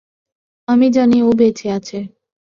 আমি জানি ও বেঁচে আছে।